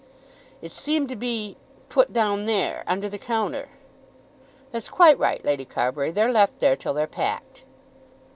"It seemed to be, put down there, under the counter!" "That's quite right, Lady Carbury. They're left there till they're packed."